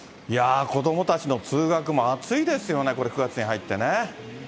子どもたちの通学も暑いですよね、これ、９月に入ってね。